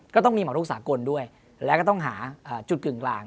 ก็ต้องมีหมอลูกสากลด้วยแล้วก็ต้องหาจุดกึ่งกลาง